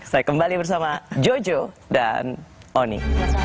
saya kembali bersama jojo dan oni